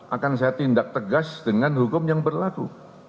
akan saya tindak tegas dengan hukum yang berlaku